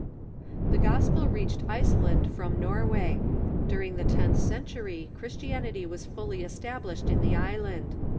The gospel reached Iceland from Norway. During the tenth century Christianity was fully established in the island.